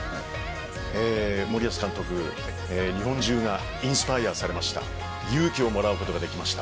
森保監督、日本中がインスパイアされました。